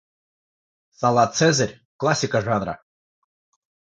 Салат "Цезарь" - классика жанра.